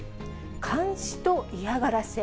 監視と嫌がらせ。